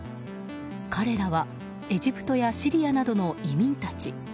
彼らはエジプトやシリアなどの移民たち。